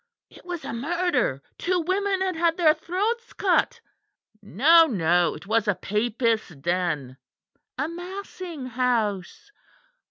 It was a murder; two women had had their throats cut. No, no; it was a papists' den a massing house.